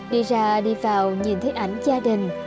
đi ra đi vào nhìn thấy ảnh gia đình